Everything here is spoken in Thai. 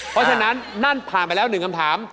เพราะฉะนั้นนั่นผ่านไปแล้ว๑คำถาม